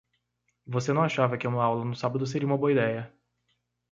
Você não achava que uma aula no sábado seria uma boa ideia.